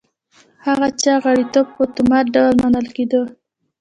هغه چا غړیتوب په اتومات ډول منل کېده